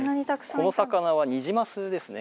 この魚はニジマスですね。